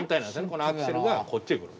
このアクセルがこっちヘくる。